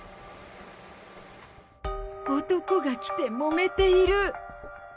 男が来てもめている。